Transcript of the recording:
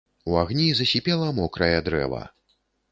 У агні засіпела мокрае дрэва.